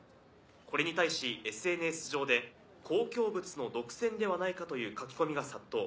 これに対しＳＮＳ上で「公共物の独占ではないか？」という書き込みが殺到。